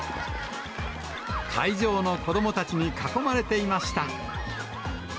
会場の子どもたちに囲まれていました。